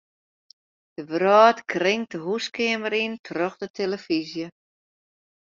De wrâld kringt de húskeamer yn troch de telefyzje.